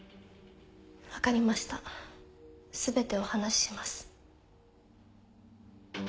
分かりました全てお話しします。